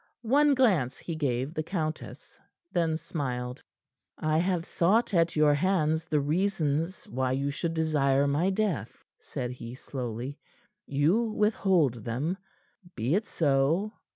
One glance he gave the countess, then smiled. "I have sought at your hands the reasons why you should desire my death," said he slowly. "You withhold them. Be it so.